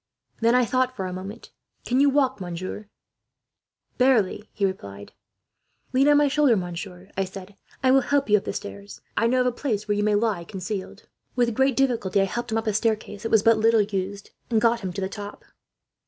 "'Then I thought for a moment. "'"Can you walk, monsieur?" "'"Barely," he replied. "'"Lean on my shoulder, monsieur," I said. "I will help you up the stairs. I know of a place where you may lie concealed." "'With great difficulty I helped him up a staircase that was but little used, and got him to the top.